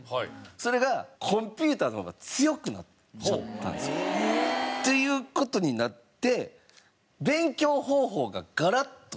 それがコンピューターの方が強くなっちゃったんですよ。という事になって。